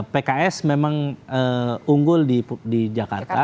pks memang unggul di jakarta